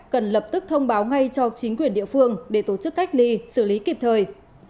cần lập tức thông báo ngay cho chính quyền địa phương để tổ chức cách ly xử lý kịp thời